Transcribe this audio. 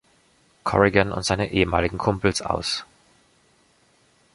Corrigan und seine ehemaligen Kumpels aus.